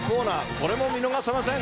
これも見逃せません。